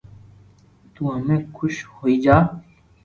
تو ھمي خوݾ ھوئي جا